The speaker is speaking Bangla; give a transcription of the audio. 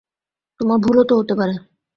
তোমার ভুলও তো হতে পারে?